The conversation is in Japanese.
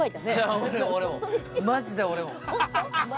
マジで俺も！